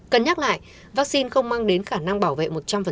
cân nhắc lại vaccine không mang đến khả năng bảo vệ một trăm linh